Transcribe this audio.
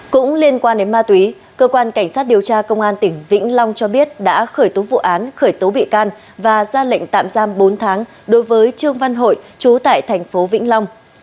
cũng liên quan đến ma túy cơ quan cảnh sát điều tra công an tỉnh vĩnh long cho biết đã khởi tố vụ án khởi tố bị can và ra lệnh tạm giam bốn tháng đối với trương văn hội chú tại thành phố vĩnh long